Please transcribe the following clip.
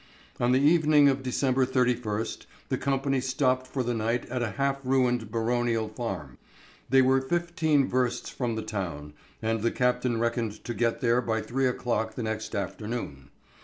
On the evening of December 31st the company stopped for the night at a half ruined baronial farm. They were fifteen versts from the town, and the captain reckoned to get there by three o'clock the next afternoon.